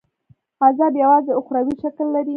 عذاب یوازي اُخروي شکل لري.